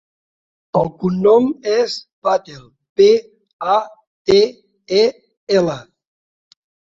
El cognom és Patel: pe, a, te, e, ela.